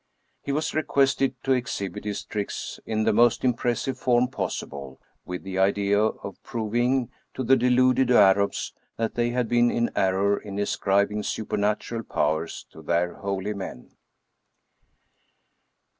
He was requested to exhibit his tricks in the most impressive form possible, with the idea of proving to the deluded Arabs that they had .been in error in ascribing supernatural powers to their holy men.